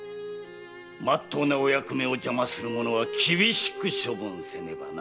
真っ当なお役目を邪魔する者は厳しく処分せねばな。